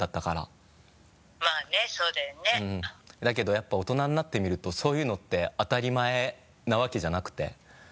だけどやっぱり大人になってみるとそういうのって当たり前なわけじゃなくて。